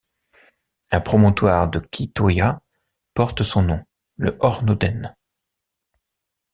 Un promontoire de Kvitøya porte son nom, le Hornodden.